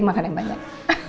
makan yang banyak